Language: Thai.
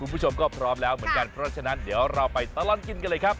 คุณผู้ชมก็พร้อมแล้วเหมือนกันเพราะฉะนั้นเดี๋ยวเราไปตลอดกินกันเลยครับ